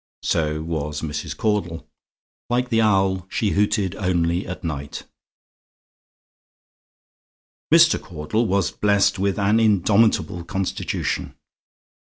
So was Mrs. Caudle. Like the owl, she hooted only at night. Mr. Caudle was blessed with an indomitable constitution.